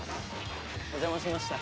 お邪魔しました。